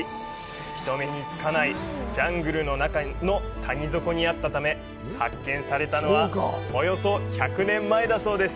人目につかないジャングルの中の谷底にあったため発見されたのはおよそ１００年前だそうです。